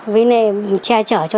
với nềm che chở cho